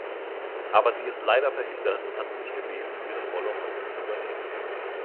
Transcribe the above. Aber sie ist leider verhindert und hat mich gebeten, ihre Rolle heute zu übernehmen.